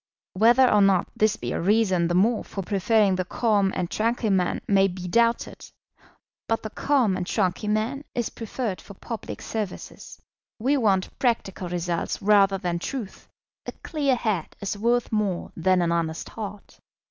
Whether or not this be a reason the more for preferring the calm and tranquil man may be doubted; but the calm and tranquil man is preferred for public services. We want practical results rather than truth. A clear head is worth more than an honest heart.